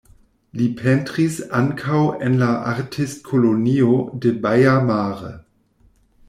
Li pentris ankaŭ en la Artistkolonio de Baia Mare.